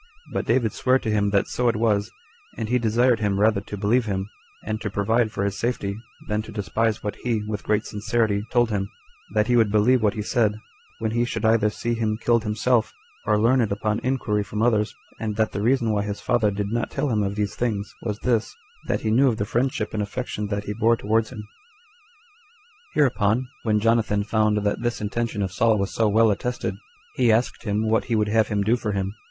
But David sware to him that so it was; and he desired him rather to believe him, and to provide for his safety, than to despise what he, with great sincerity, told him: that he would believe what he said, when he should either see him killed himself, or learn it upon inquiry from others: and that the reason why his father did not tell him of these things, was this, that he knew of the friendship and affection that he bore towards him. 7. Hereupon, when Jonathan found that this intention of Saul was so well attested, he asked him what he would have him do for him.